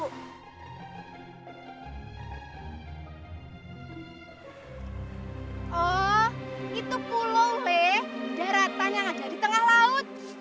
oh itu pulau leh daratan yang ada di tengah laut